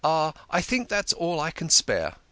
I think that's all I can spare."